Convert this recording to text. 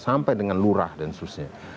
sampai dengan lurah dan seterusnya